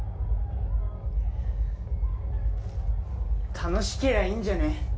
楽しけりゃいいんじゃね？